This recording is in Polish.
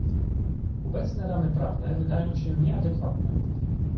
Obecne ramy prawne wydają się nieadekwatne